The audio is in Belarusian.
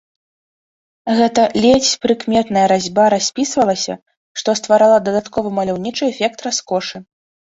Гэта ледзь прыкметная разьба распісвалася, што стварала дадатковы маляўнічы эфект раскошы.